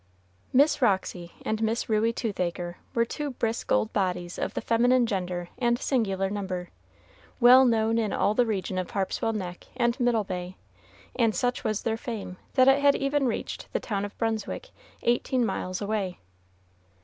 Miss Roxy and Miss Ruey Toothacre were two brisk old bodies of the feminine gender and singular number, well known in all the region of Harpswell Neck and Middle Bay, and such was their fame that it had even reached the town of Brunswick, eighteen miles away.